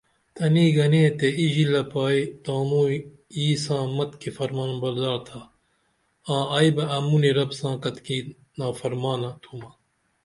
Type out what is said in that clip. تنی گنے تے اِی ژیلہ پائی تانوئی یی ساں متِکی فرمانبردار تھا آں ائی بہ امُنی رب ساں کتِکی نافرمانہ تُھومہ